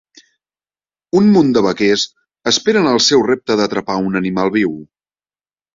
Un munt de vaquers esperen el seu repte d'atrapar un animal viu.